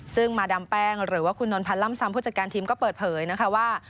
ซึ่งมาดามแป้งหรือว่าคุณนนพันธ์ล่ำซ้ำผู้จัดการทีมก็เปิดเผยนะคะว่า